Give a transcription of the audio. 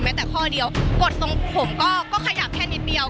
แต่ข้อเดียวกดตรงผมก็ขยับแค่นิดเดียว